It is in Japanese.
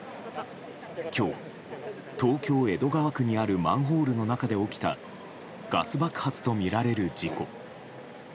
今日、東京・江戸川区にあるマンホールの中で起きたガス爆発とみられる事故。